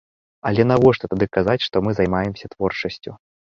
Але навошта тады казаць, што мы займаемся творчасцю?